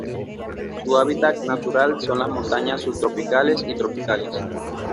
Su hábitat natural son las montañas subtropicales o tropicales.